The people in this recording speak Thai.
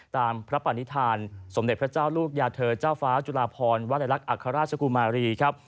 ตามพระปณิธานสมเด็จพระเจ้าลูกยาเธอเจ้าฟ้าจุลาพรวรรลักษณ์อัครราชกุมารีครับ